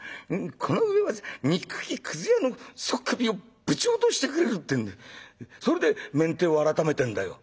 この上はにっくきくず屋の首をぶち落としてくれる』ってんでそれで面体をあらためてんだよ」。